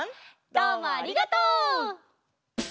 どうもありがとう！